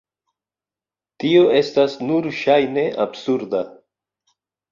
Tio estas nur ŝajne absurda.